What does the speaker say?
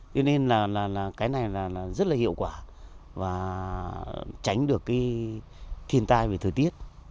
thế nên là cái này rất là hiệu quả và tránh được thiên tai về thời tiết